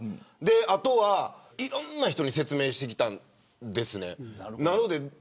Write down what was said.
あとはいろんな人に説明してきたんです。